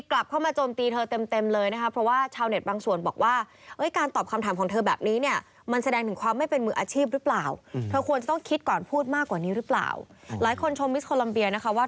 กลับเข้ามาโจมตีเธอเต็มเลยนะครับเพราะว่าเชาว์แนตบางส่วนบอกว่าการตอบคำถามของแบบนี้เนี่ยมันแสดงถึงความไม่เป็นมืออาชีพหรือเปล่า